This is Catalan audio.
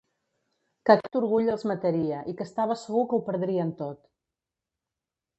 Que aquest orgull els mataria i que estava segur que ho perdrien tot.